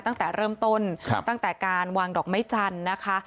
ตั้งแต่เริ่มต้นตั้งแต่การวางดอกไม้จันทร์นะคะ